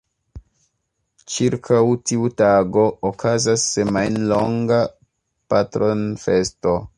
Ĉirkaŭ tiu tago okazas semajnlonga patronfesto.